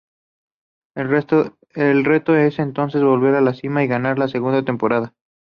El reto es entonces volver a la cima y ganar la segunda temporada.